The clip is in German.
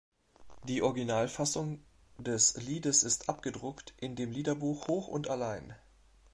Die Originalfassung des Liedes ist abgedruckt in dem Liederbuch "Hoch und Allein.